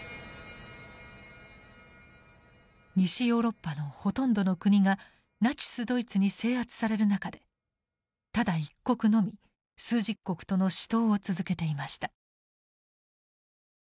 西ヨーロッパのほとんどの国がナチスドイツに制圧される中でただ一国のみ枢軸国との死闘を続けていました。